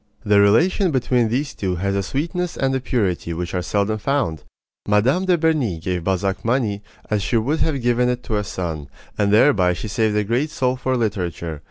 The relation between these two has a sweetness and a purity which are seldom found. Mme. de Berny gave Balzac money as she would have given it to a son, and thereby she saved a great soul for literature.